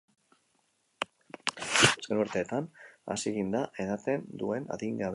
Azken urteetan hazi egin da edaten duen adingabeen kopurua.